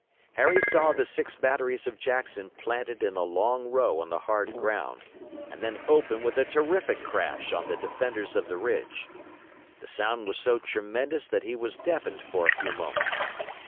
Harry saw the six batteries of Jackson planted in a long row on the hard ground, and then open with a terrific crash on the defenders of the ridge. The sound was so tremendous that he was deafened for a few moments.